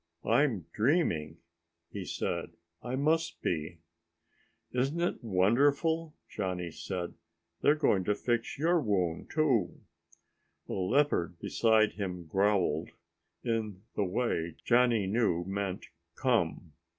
"I'm dreaming," he said. "I must be!" "Isn't it wonderful!" Johnny said. "They're going to fix your wound, too." The leopard beside him growled, in the way Johnny knew meant "come."